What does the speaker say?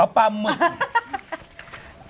เอาปลาหมึก